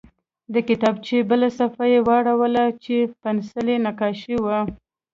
د کتابچې بله صفحه یې واړوله چې پنسلي نقاشي وه